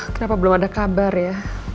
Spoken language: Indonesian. kenapa belum ada kabar ya